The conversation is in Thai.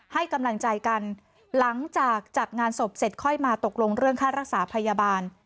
ให้กำลังใจกันหลังจากจัดงานศพเสร็จค่อยมาตกลงเรื่องค่ารักษาพยาบาล